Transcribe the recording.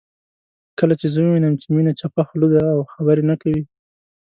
کله چې زه ووينم چې میني چپه خوله ده او خبرې نه کوي